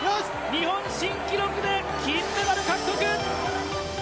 日本新記録で金メダル獲得。